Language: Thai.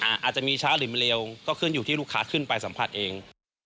อาจจะมีช้าหรือมันเร็วก็ขึ้นอยู่ที่ลูกค้าขึ้นไปสัมผัสเอง